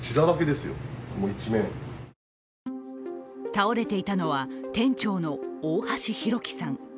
倒れていたのは店長の大橋弘輝さん。